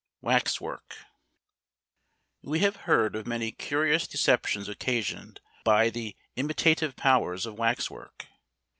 WAX WORK. We have heard of many curious deceptions occasioned by the imitative powers of wax work.